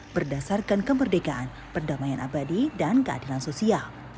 berdasarkan kemerdekaan perdamaian abadi dan keadilan sosial